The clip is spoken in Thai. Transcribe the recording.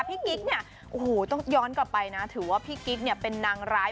กิ๊กเนี่ยโอ้โหต้องย้อนกลับไปนะถือว่าพี่กิ๊กเนี่ยเป็นนางร้าย